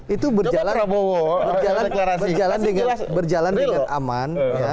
itu berjalan dengan aman